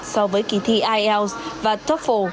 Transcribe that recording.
so với kỳ thi ielts và toefl